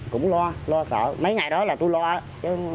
cũng lo lo sợ mấy ngày đó là tôi lo chứ